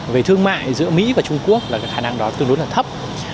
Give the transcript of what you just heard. về thương mại giữa mỹ và trung quốc là khả năng đó tương đối thấp